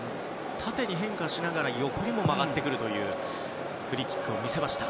縦に変化しながら横にも曲がってくるというフリーキックを見せました。